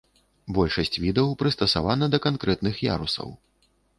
Большасць відаў прыстасавана да канкрэтных ярусаў.